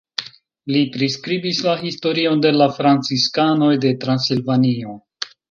Li priskribis la historion de la franciskanoj de Transilvanio.